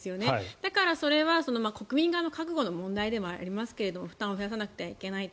だから、それは国民側の覚悟の問題でもありますが負担を増やさなくてはいけないと。